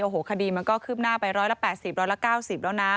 โอ้โหคดีมันก็คืบหน้าไป๑๘๐ร้อยละ๙๐แล้วนะ